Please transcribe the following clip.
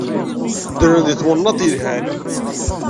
Ddren deg twennaḍt yelhan.